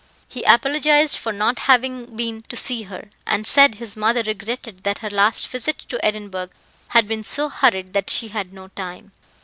He apologized for not having been to see her, and said his mother regretted that her last visit to Edinburgh had been so hurried that she had no time.